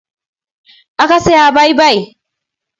akase abaibai